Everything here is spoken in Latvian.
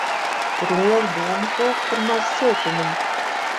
Kur lieli dūmi kūp, tur maz siltumiņa.